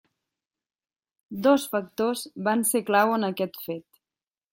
Dos factors van ser clau en aquest fet.